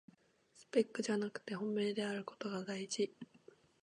スペックじゃなくて本命であることがだいじ